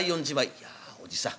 「いやおじさん